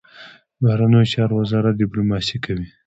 بهرنیو چارو وزارت ډیپلوماسي کوي